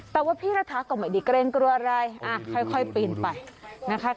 แต่ว่าพี่รัฐาก็ไม่ได้เกรงกลัวอะไรค่อยปีนไปนะคะ